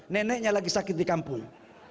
neneknya lagi sakit di kampung